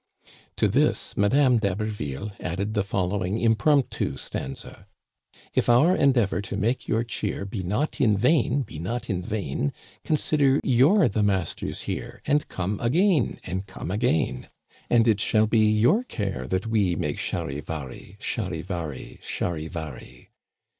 " To this Madame d'Haberville added the following impromptu stanza :*• If our endeavor to make your cheer Be not in vain (npeat). Consider you*re the masters here. And come again {jrpeat\ And it shall be your care that we Make Charivari ! Charivari ! Charivari